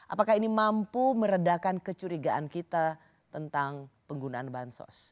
apakah ini mampu meredakan kecurigaan kita tentang penggunaan bansos